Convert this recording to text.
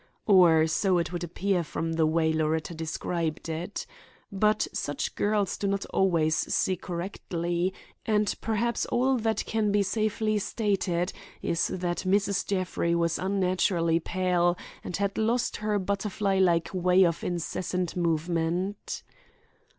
Or so it would appear from the way Loretta described it. But such girls do not always see correctly, and perhaps all that can be safely stated is that Mrs. Jeffrey was unnaturally pale and had lost her butterfly like way of incessant movement.